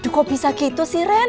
kok bisa gitu sih ren